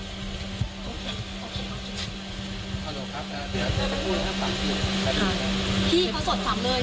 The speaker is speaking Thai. พี่เพราะสดฟังเลย